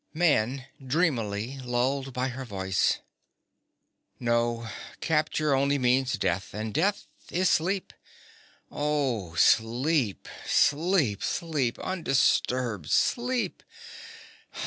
MAN. (dreamily, lulled by her voice). No, capture only means death; and death is sleep—oh, sleep, sleep, sleep, undisturbed sleep!